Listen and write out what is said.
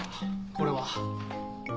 これは。